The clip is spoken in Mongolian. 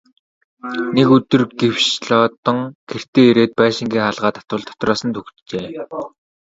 Нэг өдөр гэвш Лодон гэртээ ирээд байшингийн хаалгаа татвал дотроос түгжжээ.